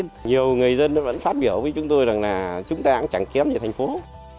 nhiều người dân vẫn phát biểu với chúng tôi rằng là chúng ta cũng chẳng kém như thành phố